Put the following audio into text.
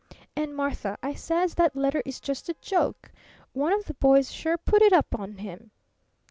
'And, Martha,' I says, 'that letter is just a joke. One of the boys sure put it up on him!'